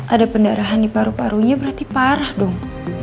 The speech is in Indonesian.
ada pendarahan di paru parunya berarti parah dong